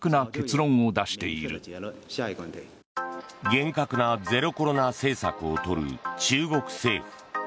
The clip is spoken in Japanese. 厳格なゼロコロナ政策をとる中国政府。